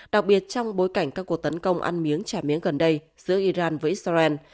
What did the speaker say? đặc biệt trong bối cảnh các cuộc tấn công ăn miếng trả miếng gần đây giữa iran với israel